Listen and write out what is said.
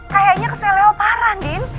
kayaknya kesel leoparan din